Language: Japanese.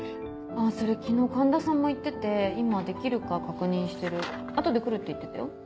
あそれ昨日環田さんも言ってて今できるか確認してる後で来るって言ってたよ。